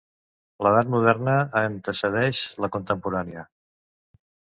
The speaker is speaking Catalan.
L'edat moderna antecedeix la contemporània.